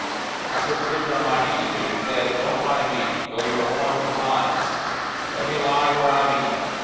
I took Bridge on my knee, but he said, "Don't mind me; Fill your horn from mine, let me lie where I be.